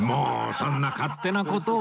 そんな勝手な事を